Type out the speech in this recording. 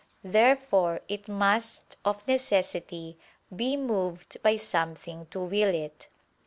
Therefore it must, of necessity, be moved by something to will it.